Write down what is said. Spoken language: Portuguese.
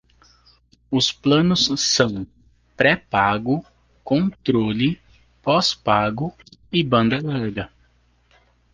Os planos são: pré-pago, controle, pós-pago e banda larga